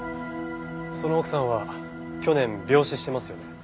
その奥さんは去年病死してますよね？